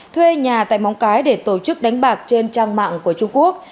thuê nhà tại móng cái để tổ chức đánh bạc trên trang mạng của trung quốc